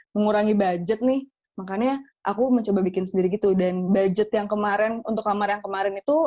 mengurangi budget nih makanya aku mencoba bikin sendiri gitu dan budget yang kemarin untuk kamar yang kemarin itu